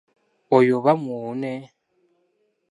Oyo aba muwuune.